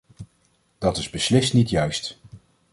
Dat is beslist niet juist.